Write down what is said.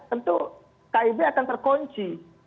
tentu kib akan terkunci